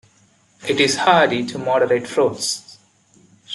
It is hardy to moderate frosts.